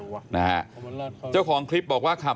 ก็ต้องมาถึงจุดตรงนี้ก่อนใช่ไหม